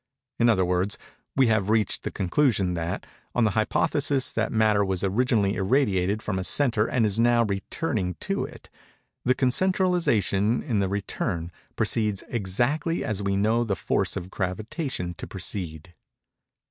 In other words, we have reached the conclusion that, on the hypothesis that matter was originally irradiated from a centre and is now returning to it, the concentralization, in the return, proceeds exactly as we know the force of gravitation to proceed.